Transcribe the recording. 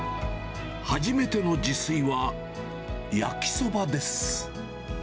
初めての自炊は焼きそばです。